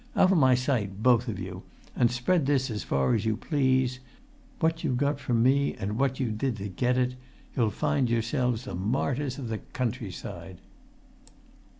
Out of my sight, both of you, and spread this as far as you please: what you got from me, and what you did to get it. You'll find yourselves the martyrs of the countryside!"